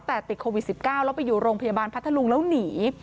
แต่ติดโควิด๑๙แล้วไปอยู่โรงพยาบาลพัทธลุงแล้วหนี